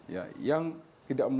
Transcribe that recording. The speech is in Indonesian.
ya yang tidak